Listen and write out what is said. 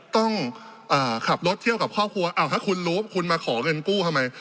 ต้องขับรถเที่ยวกับครอบครัวอ้าวถ้าคุณรู้คุณมาขอเงินกู้ทำไม